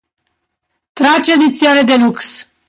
Tracce Edizione Deluxe